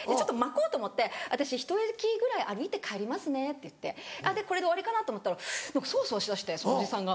こうと思って「私ひと駅ぐらい歩いて帰りますね」って言ってこれで終わりかなと思ったら何かそわそわし出してそのおじさんが。